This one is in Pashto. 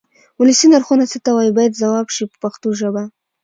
ولسي نرخونه څه ته وایي باید ځواب شي په پښتو ژبه.